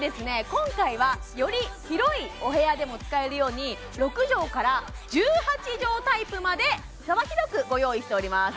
今回はより広いお部屋でも使えるように６畳から１８畳タイプまで幅広くご用意しております